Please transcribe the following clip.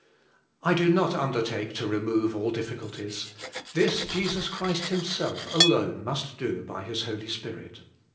I do not undertake to remove all difficul ties; this Jesus Christ Himself alone must do by His Holy Spirit.